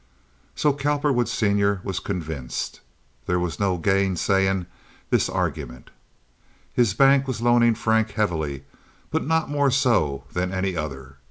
So Cowperwood, Sr., was convinced. There was no gainsaying this argument. His bank was loaning Frank heavily, but not more so than any other.